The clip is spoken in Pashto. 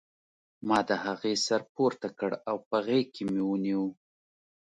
ما د هغې سر پورته کړ او په غېږ کې مې ونیو